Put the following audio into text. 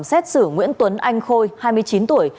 xét xử nguyễn tuấn anh khôi hai mươi chín tuổi